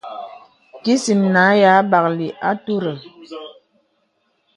Kìsin nǎ yâ bāklì àturə.